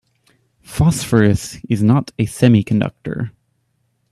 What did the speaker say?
Phosphorus is not a semiconductor.